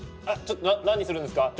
あっちょっと何するんですか？